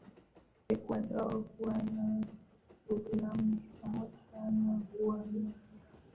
Ecuador Guyana Suriname pamoja na Guyana ya